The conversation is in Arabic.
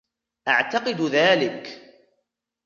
أعتقد ذلك.